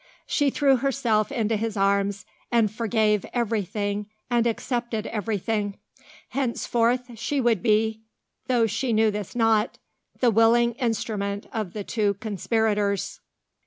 she threw herself into his arms, and forgave everything and accepted everything. Henceforth she would be though this she knew not the willing instrument of the two conspirators.